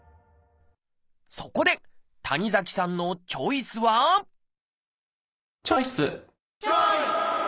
そこで谷崎さんのチョイスはチョイス！